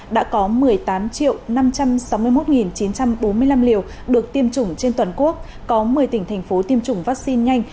đã có một mươi tám năm trăm sáu mươi một chín trăm bốn mươi năm liều được tiêm chủng trên toàn quốc có một mươi tỉnh thành phố tiêm chủng vaccine nhanh